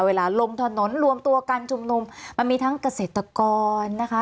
ลงถนนรวมตัวกันชุมนุมมันมีทั้งเกษตรกรนะคะ